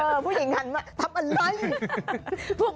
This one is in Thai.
ผู้หญิงพับอันล้น